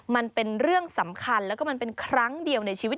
มันเป็นเรื่องสำคัญแล้วก็มันเป็นครั้งเดียวในชีวิต